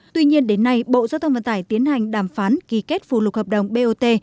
tuy nhiên đến nay bộ giao thông vận tải tiến hành đàm phán ký kết phù lục hợp đồng bot